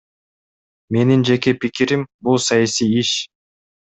Менин жеке пикирим — бул саясий иш.